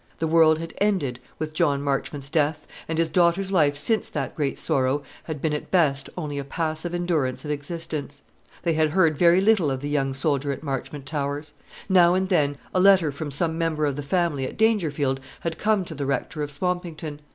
The world had ended with John Marchmont's death, and his daughter's life since that great sorrow had been at best only a passive endurance of existence. They had heard very little of the young soldier at Marchmont Towers. Now and then a letter from some member of the family at Dangerfield had come to the Rector of Swampington.